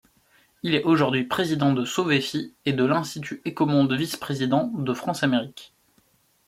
Il est aujourd'hui président de Sovefi et de l'institut Écomonde vice-président de France-Amériques.